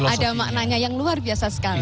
ada maknanya yang luar biasa sekali